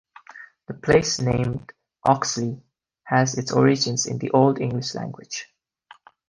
The place name Oxley has its origins in the Old English language.